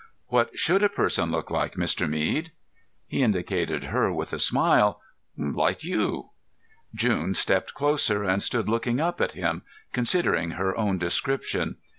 "What should a person look like, Mr. Mead?" He indicated her with a smile. "Like you." June stepped closer and stood looking up at him, considering her own description.